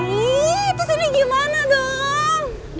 gini terus ini gimana dong